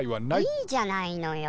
いいじゃないのよ。